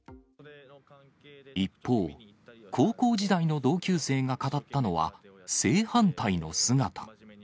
一方、高校時代の同級生が語ったのは、正反対の姿。